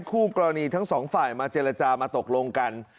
คู่กรณีทั้งสองฝ่ายมาเจรจามาตกลงกัน